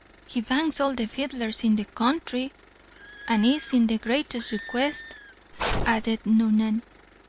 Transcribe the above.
"He bangs all the fiddlers in the counthry." "And is in the greatest request," added Noonan.